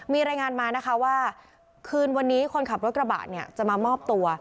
มีรายงานมานะคะว่าคืนวันนี้คนขับรถกระบะเนี่ยจะมามอบตัว